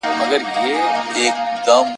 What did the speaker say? دپولادو مړوندونه ,